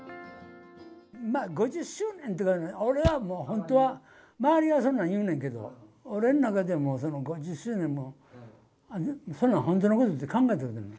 ５０周年とかね、俺はもう本当は、周りはそんなん言うねんけど、俺の中ではその５０周年も、そんな本当のこと言うと、考えたことない。